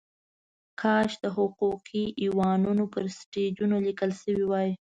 کاش د حقوقي ایوانونو پر سټیجونو لیکل شوې وای.